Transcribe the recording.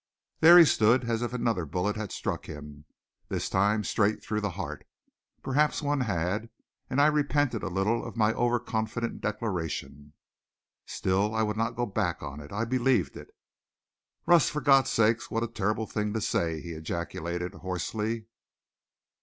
There he stood as if another bullet had struck him, this time straight through the heart. Perhaps one had and I repented a little of my overconfident declaration. Still, I would not go back on it. I believed it. "Russ, for God's sake! What a terrible thing to say!" he ejaculated hoarsely.